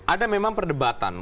ada memang perdebatan